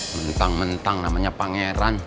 mentang mentang namanya pangeran